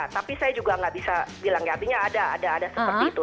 tapi saya juga nggak bisa bilang ya artinya ada ada seperti itu